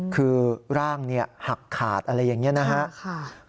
คือร่างหักขาดอะไรอย่างนี้นะครับ